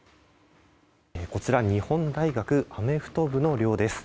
こちら日本大学アメフト部の寮です。